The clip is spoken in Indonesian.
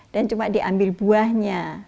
dan cuma diambil buahnya